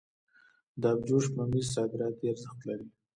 د ابجوش ممیز صادراتي ارزښت لري.